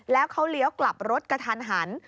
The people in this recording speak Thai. แล้วเขาเลี้ยวกลับรถกระทันหัน